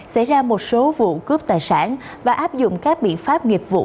xảy ra một số vụ cướp tài sản và áp dụng các biện pháp nghiệp vụ